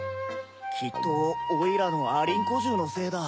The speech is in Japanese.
きっとオイラのアリンコじゅうのせいだ。